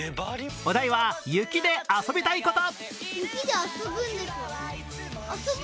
お題は、雪で遊びたいこと。